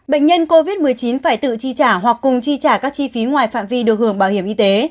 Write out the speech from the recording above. bệnh nhân covid một mươi chín phải tự chi trả hoặc cùng chi trả các chi phí ngoài phạm vi được hưởng bảo hiểm y tế